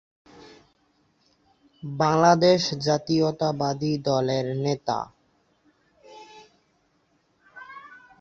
বাংলাদেশ জাতীয়তাবাদী দলের নেতা।